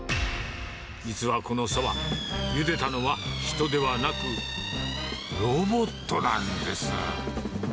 実はこのそば、ゆでたのは人ではなく、ロボットなんです。